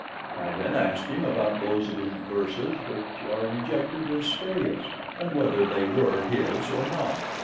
I then asked him about those of his verses which are rejected as spurious, and whether they were his or not.